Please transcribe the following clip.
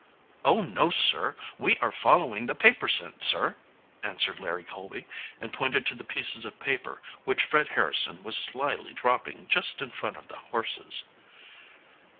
"Oh, no, sir, we are following the paper scent, sir," answered Larry Colby, and pointed to the pieces of paper, which Fred Harrison was slyly dropping just in front of the horses.